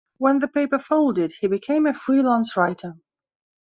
When the paper folded, he became a freelance writer.